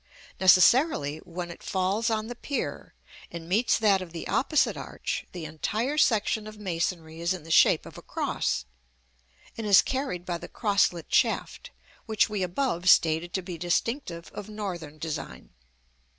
Necessarily, when it falls on the pier, and meets that of the opposite arch, the entire section of masonry is in the shape of a cross, and is carried by the crosslet shaft, which we above stated to be distinctive of Northern design.